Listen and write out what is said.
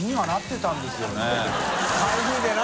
台風でな。